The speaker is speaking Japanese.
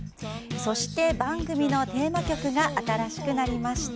そして、番組のテーマ曲が新しくなりました。